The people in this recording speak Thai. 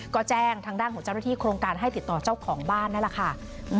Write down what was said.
ก็แจ้งทางด้านของเจ้าหน้าที่โครงการให้ติดต่อเจ้าของบ้านนั่นแหละค่ะ